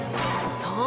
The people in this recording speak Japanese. そう！